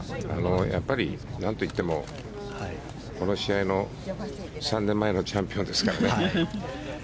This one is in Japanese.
何といってもこの試合の３年前のチャンピオンですからね。